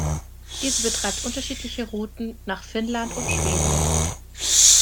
Diese betreibt unterschiedliche Routen nach Finnland und Schweden.